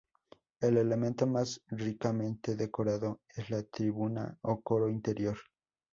El elemento más ricamente decorado es la tribuna o coro interior.